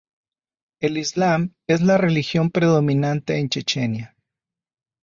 El islam es la religión predominante en Chechenia.